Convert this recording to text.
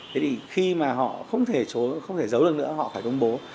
thế thì khi mà họ không thể không thể giấu được nữa họ phải công bố